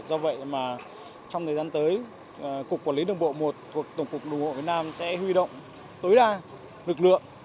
do vậy mà trong thời gian tới cục quản lý đường bộ một thuộc tổng cục đường bộ việt nam sẽ huy động tối đa lực lượng